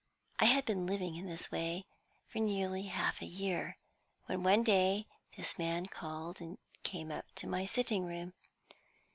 "I had been living in this way for nearly half a year, when one day this man called and came up to my sitting room.